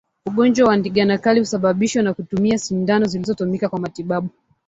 Ugonjwa wa ndigana kali husababishwa na kutumia sindano zilizotumika kwa matibabu